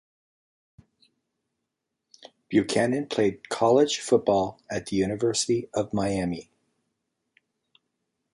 Buchanon played college football at the University of Miami.